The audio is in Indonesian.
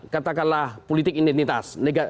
katakanlah politik identitas